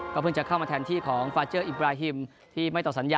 เพิ่งจะเข้ามาแทนที่ของฟาเจอร์อิบราฮิมที่ไม่ต่อสัญญา